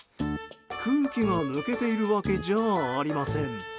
空気が抜けているわけじゃありません。